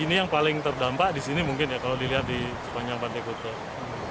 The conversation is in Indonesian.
ini yang paling terdampak di sini mungkin ya kalau dilihat di sepanjang pantai kute